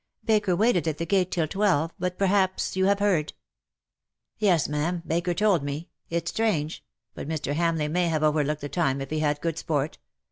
Baker waited at the gate till twelve — but perhaps you have heard.^' "Yes, ma^am. Baker told me. It's strange — but Mr. Hamleigh may have overlooked the time if he had good sport.